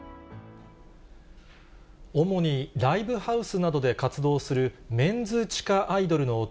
主にライブハウスなどで活動するメンズ地下アイドルの男